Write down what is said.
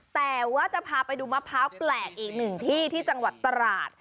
แต่ว่าจะพาไปดูมะพร้าวแปลกอีกหนึ่งที่ที่จังหวัดตราด